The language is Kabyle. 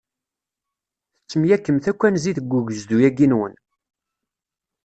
Tettemyakemt akk anzi deg ugezdu-agi-nwen.